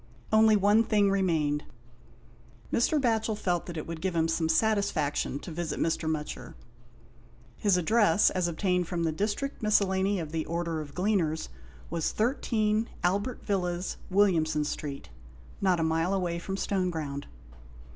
Only one thing remained. Mr. Batchel felt that it would give him some satisfaction to visit Mr. Mutcher. His address, as obtained from the District Miscellany of the Order of Gleaners, was 13, Albert Villas, Williamson Street, not a mile away from Stoneground.